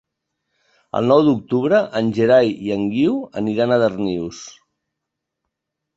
El nou d'octubre en Gerai i en Guiu aniran a Darnius.